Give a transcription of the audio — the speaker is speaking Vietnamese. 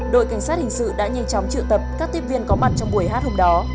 đội cảnh sát hình sự đã nhanh chóng trự tập các tiếp viên có mặt trong buổi hát hôm đó